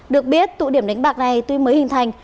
được biết tụ điểm đánh bạc này tuy mới hình thành